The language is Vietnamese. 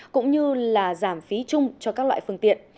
cũng như là giảm phí chung cho các loại phương tiện